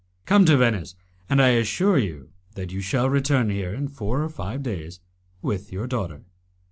Come to Venice, and I assure you that you shall return here in four or five days with your daughter."